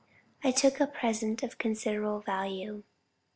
I took a present of considerable value.